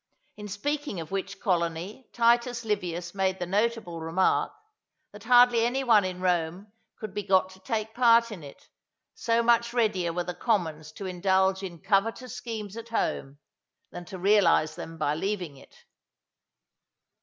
In speaking of which colony Titus Livius makes the notable remark, that hardly any one in Rome could be got to take part in it, so much readier were the commons to indulge in covetous schemes at home, than to realize them by leaving it.